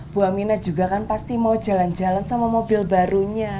bu aminah juga kan pasti mau jalan jalan sama mobil barunya